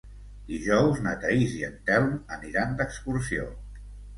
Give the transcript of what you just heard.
Dijous na Thaís i en Telm aniran d'excursió.